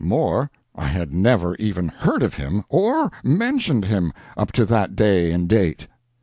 More: I had never even heard of him or mentioned him up to that day and date.